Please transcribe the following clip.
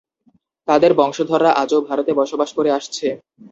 তাদের বংশধররা আজও ভারতে বসবাস করে আসছে।